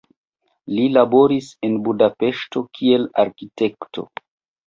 Li laboris en Budapeŝto kiel arkitekto.